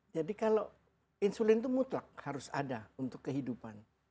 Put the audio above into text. jadi kalau insulin itu mutlak harus ada untuk kehidupan